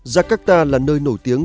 jakarta là nơi nổi tiếng